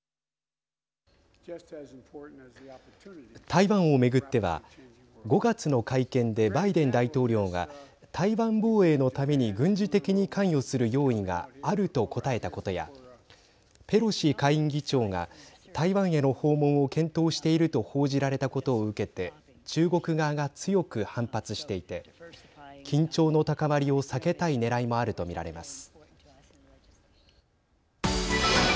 台湾を巡っては５月の会見でバイデン大統領が台湾防衛のために軍事的に関与する用意があると答えたことやペロシ下院議長が台湾への訪問を検討していると報じられたことを受けて中国側が強く反発していて緊張の高まりを避けたいねらいもあると見られます。